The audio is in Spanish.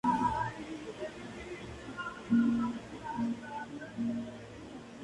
Fue proyectado por el arquitecto Secundino Zuazo.